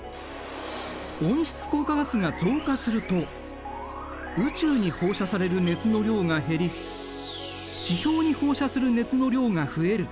温室効果ガスが増加すると宇宙に放射される熱の量が減り地表に放射する熱の量が増える。